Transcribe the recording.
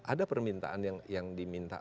ada permintaan yang diminta